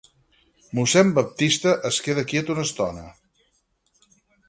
Mossèn Baptista es queda quiet una estona.